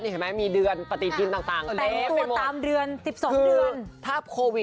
ดรู้ไหมมีเดือนต่างเปร้งทั้งเดือนสิบสองเดือน